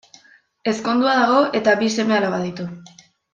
Ezkondua dago eta bi seme-alaba ditu.